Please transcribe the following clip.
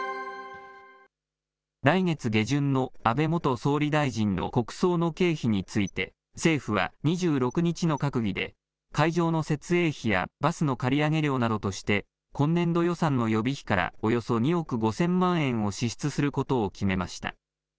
来月下旬の安倍元総理大臣の国葬の経費について、政府は２６日の閣議で、会場の設営費やバスの借り上げ料などとして、今年度予算の予備費から、およそ２億５０００万円を支出することを決めました。